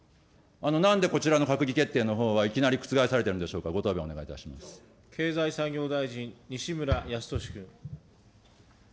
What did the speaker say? なんでこちらの閣議決定のほうはいきなり覆されてるんでしょうか、経済産業大臣、西村康稔君。